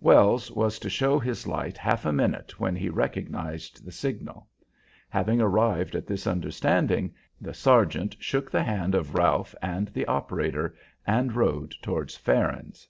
Wells was to show his light half a minute when he recognized the signal. Having arrived at this understanding, the sergeant shook the hand of Ralph and the operator and rode towards Farron's.